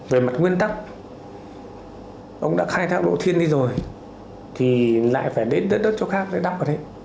về mặt nguyên tắc ông đã khai thác độ thiên đi rồi thì lại phải đến đất chỗ khác để đắp vào đấy